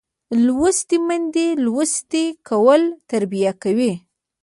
لوستې میندې لوستی کول تربیه کوي